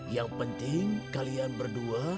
yang penting kalian berdua